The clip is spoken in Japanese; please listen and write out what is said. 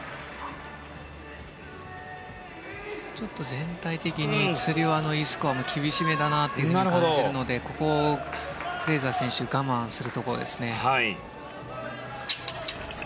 ちょっと全体的につり輪のＥスコアも厳しめだなと感じるのでここ、フレーザー選手は我慢するところですね。